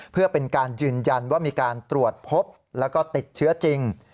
เพื่อเป็นการยืนยันว่ามีการตรวจพบแล้วก็ติดเชื้อจริง